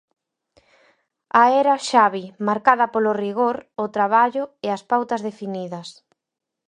A era Xavi marcada polo rigor, o traballo e as pautas definidas.